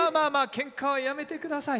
けんかはやめて下さい。